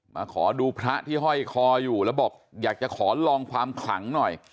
ขอดูพระที่ห้อยคออยู่แล้วบอกอยากจะขอลองความขลังหน่อย